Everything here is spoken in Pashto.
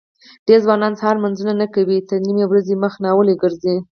دېری ځوانان سهار لمنځونه نه کوي تر نیمې ورځې مخ ناولي ګرځي.